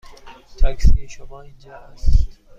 تاکسی شما اینجا است.